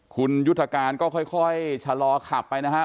คุณยุทธการก็ค่อยชะลอขับไปนะฮะ